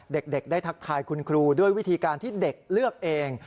เด็กได้ทักทายคุณครูด้วยวิธีการที่เด็กเลือกเอง